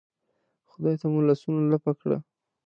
خدای ته مو لاسونه لپه کړل.